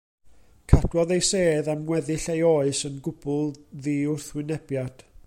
Cadwodd ei sedd am weddill ei oes yn gwbl ddiwrthwynebiad.